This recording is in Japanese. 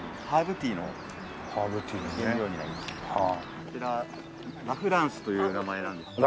こちらラ・フランスという名前なんですけど。